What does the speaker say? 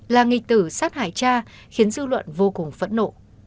là nghịch tử sát hại cha khiến dư luận vô cùng phẫn nộ